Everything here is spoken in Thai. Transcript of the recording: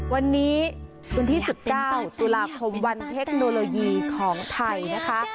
วันนี้วันที่๑๙ตุลาคมวันเทคโนโลยีของไทยนะคะ